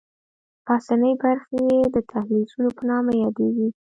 پاسنۍ برخې یې د دهلیزونو په نامه دي.